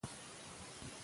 هر څه په ځان کې هضم کړئ.